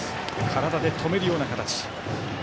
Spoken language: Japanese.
体で止めるような形。